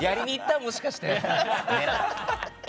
もしかして？